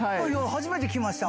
初めて聞きました。